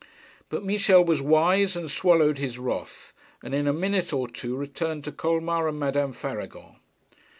But Michel was wise and swallowed his wrath, and in a minute or two returned to Colmar and Madame Faragon.